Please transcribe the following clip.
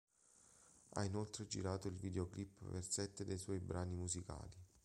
Ha inoltre girato i videoclip per sette dei suoi brani musicali.